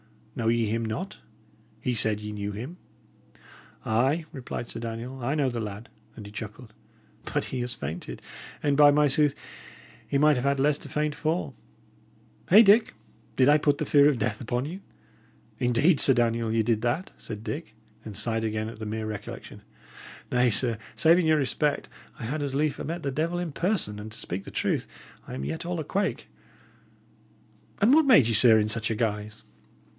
Know ye him not? He said ye knew him!" "Ay," replied Sir Daniel, "I know the lad;" and he chuckled. "But he has fainted; and, by my sooth, he might have had less to faint for! Hey, Dick? Did I put the fear of death upon you?" "Indeed, Sir Daniel, ye did that," said Dick, and sighed again at the mere recollection. "Nay, sir, saving your respect, I had as lief 'a' met the devil in person; and to speak truth, I am yet all a quake. But what made ye, sir, in such a guise?"